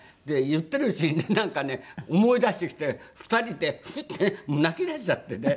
言ってるうちになんかね思い出してきて２人でグスってもう泣き出しちゃってね。